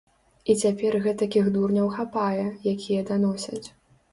І цяпер гэтакіх дурняў хапае, якія даносяць.